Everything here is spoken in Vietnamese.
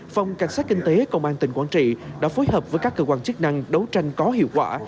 phòng cảnh sát kinh tế công an tỉnh quảng trị đã phối hợp với các cơ quan chức năng đấu tranh có hiệu quả